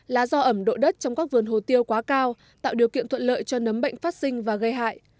là do ẩm độ đất trong các vườn hồ tiêu quá cao tạo điều kiện thuận lợi cho nấm bệnh phát sinh và gây hại